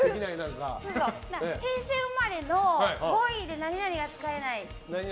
平成生まれの５位で何々が使えない。